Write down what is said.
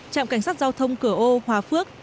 trạm cảnh sát giao thông cửa ô hòa phước